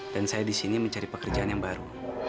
saya di sini mencari pekerjaan yang baru